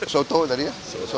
soto tadi ya